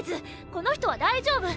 この人は大丈夫。